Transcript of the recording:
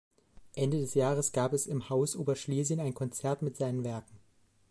Ende des Jahres gab es im Haus Oberschlesien ein Konzert mit seinen Werken.